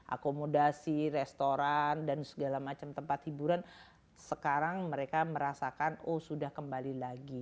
akomodasi restoran dan segala macam tempat hiburan sekarang mereka merasakan oh sudah kembali lagi